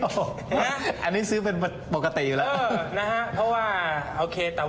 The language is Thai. ตอนนี้ซื้อเป็นปกติอยู่แล้ว